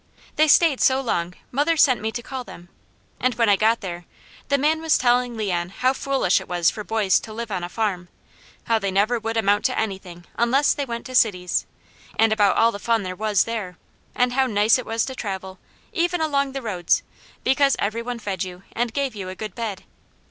They stayed so long mother sent me to call them, and when I got there, the man was telling Leon how foolish it was for boys to live on a farm; how they never would amount to anything unless they went to cities, and about all the fun there was there, and how nice it was to travel, even along the roads, because every one fed you, and gave you a good bed.